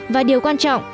và điều quan trọng